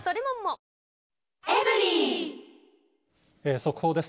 速報です。